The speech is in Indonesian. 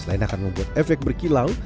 selain akan membuat efek berkilau